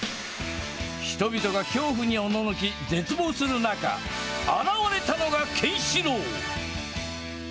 人々が恐怖におののき、絶望する中、現れたのがケンシロウ。